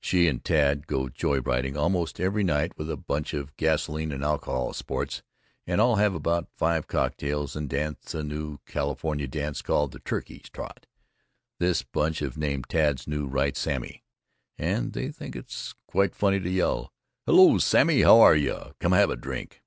She and Tad go joy riding almost every night with a bunch of gasoline and alcohol sports and all have about five cocktails and dance a new Calif. dance called the Turkey Trot. This bunch have named Tad's new Wright "Sammy," and they think it's quite funny to yell "Hello Sammy, how are you, come have a drink."